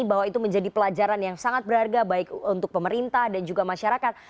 bahwa itu menjadi pelajaran yang sangat berharga baik untuk pemerintah dan juga masyarakat